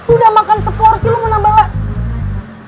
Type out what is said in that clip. udah makan seporsi lo mau nambah lah